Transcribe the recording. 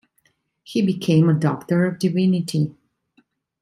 He became a Doctor of Divinity.